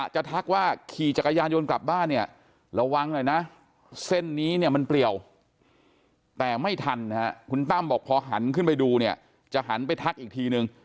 ทักว่าขี่จักรยานยนต์กลับบ้านเนี่ยระวังหน่อยนะเส้นนี้เนี่ยมันเปลี่ยวแต่ไม่ทันนะฮะคุณตั้มบอกพอหันขึ้นไปดูเนี่ยจะหันไปทักอีกทีนึง